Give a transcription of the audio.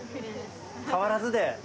変わらずで。